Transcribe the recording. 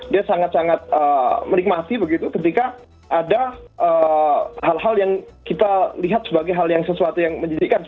dia sangat sangat menikmati begitu ketika ada hal hal yang kita lihat sebagai hal yang sesuatu yang menyedihkan